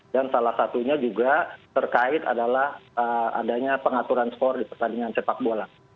salah satunya juga terkait adalah adanya pengaturan skor di pertandingan sepak bola